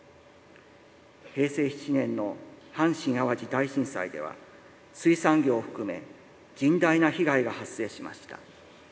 平成７年の阪神・淡路大震災では水産業を含め甚大な被害が発生しました。